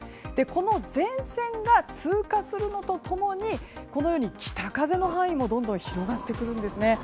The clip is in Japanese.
この前線が通過すると共に北風の範囲もどんどん広がってくるんですね。